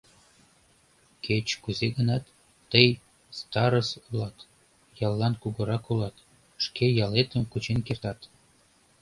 Кеч-кузе гынат, тый старыс улат, яллан кугурак улат, шке ялетым кучен кертат...